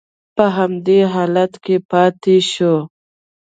په همدې حالت کې پاتې شوه.